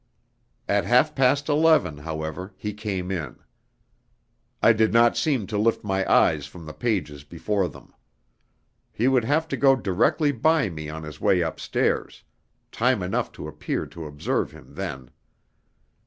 At half past eleven, however, he came in. I did not seem to lift my eyes from the pages before them. He would have to go directly by me on his way upstairs; time enough to appear to observe him then.